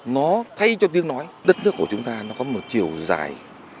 nó thay cho tiếng nói đất nước của chúng ta nó có một chiều dài